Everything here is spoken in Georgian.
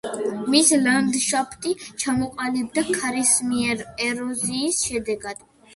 მისი ლანდშაფტი ჩამოყალიბდა ქარისმიერი ეროზიის შედეგად.